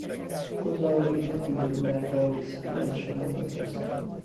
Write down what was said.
بگذارید بیرودربایستی از شما بپرسم.